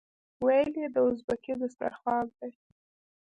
ویل یې دا ازبکي دسترخوان دی.